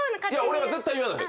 俺は絶対言わない！